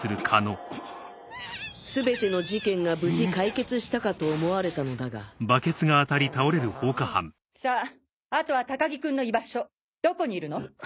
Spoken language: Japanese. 全ての事件が無事解決したかと思われたのだがさぁあとは高木君の居場所どこにいるの？